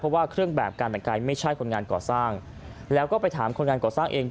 เพราะว่าเครื่องแบบการแต่งกายไม่ใช่คนงานก่อสร้างแล้วก็ไปถามคนงานก่อสร้างเอง